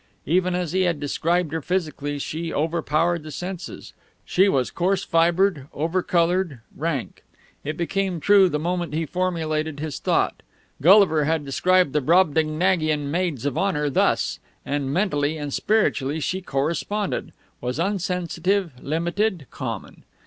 Even as he had described her physically she overpowered the senses; she was coarse fibred, over coloured, rank. It became true the moment he formulated his thought; Gulliver had described the Brobdingnagian maids of honour thus: and mentally and spiritually she corresponded was unsensitive, limited, common.